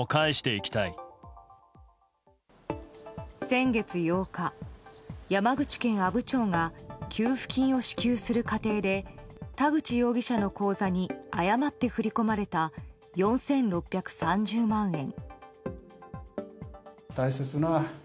先月８日、山口県阿武町が給付金を支給する過程で田口容疑者の口座に誤って振り込まれた４６３０万円。